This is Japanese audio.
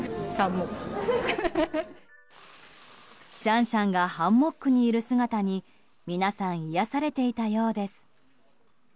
シャンシャンがハンモックにいる姿に皆さん癒やされていたようです。